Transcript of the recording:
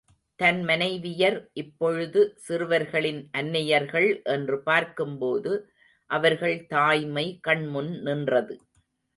தன் மனைவியர் இப்பொழுது சிறுவர்களின் அன்னையர்கள் என்று பார்க்கும்போது அவர்கள் தாய்மை கண்முன் நின்றது.